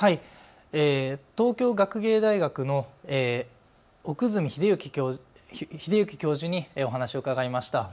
東京学芸大学の奥住秀之教授にお話を伺いました。